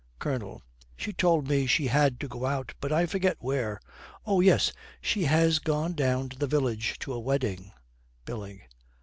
COLONEL. 'She told me she had to go out, but I forget where. Oh, yes, she has gone down to the village to a wedding.' BILLY.